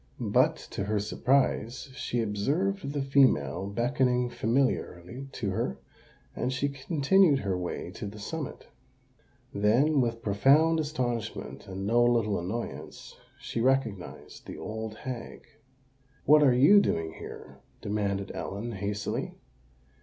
But, to her surprise, she observed the female beckoning familiarly to her; and she continued her way to the summit. Then, with profound astonishment and no little annoyance, she recognised the old hag. "What are you doing here?" demanded Ellen, hastily.